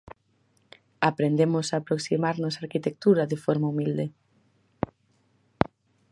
Aprendemos a aproximarnos á arquitectura de forma humilde.